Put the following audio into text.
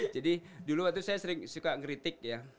jadi dulu waktu itu saya sering suka ngeritik ya